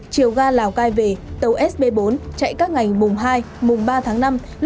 chiều ga lào cai về tàu sb bốn chạy các ngày mùa hai mùa ba tháng năm